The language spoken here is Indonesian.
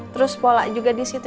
terus pola juga di situ